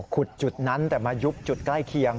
จุดนั้นแต่มายุบจุดใกล้เคียง